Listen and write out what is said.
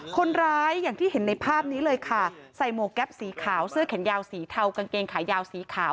อย่างที่เห็นในภาพนี้เลยค่ะใส่หมวกแก๊ปสีขาวเสื้อแขนยาวสีเทากางเกงขายาวสีขาว